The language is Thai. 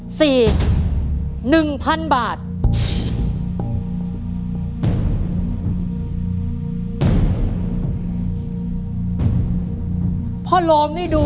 พ่อลมนี่ดูเหมือนกระหยิบยิ้มย่องนะครับ